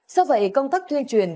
do vậy công thức thuyên truyền